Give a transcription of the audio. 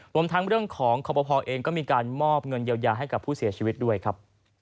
รวมทั้งเรื่องของคอปภเองก็มีการมอบเงินเยียวยาให้กับผู้เสียชีวิตด้วยครับ